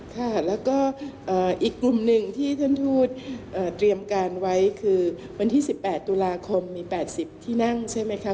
ค่ะแล้วก็อีกกลุ่มหนึ่งที่ท่านทูตเตรียมการไว้คือวันที่๑๘ตุลาคมมี๘๐ที่นั่งใช่ไหมคะ